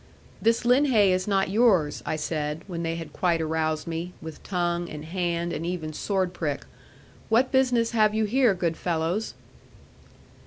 'This linhay is not yours,' I said, when they had quite aroused me, with tongue, and hand, and even sword prick: 'what business have you here, good fellows?'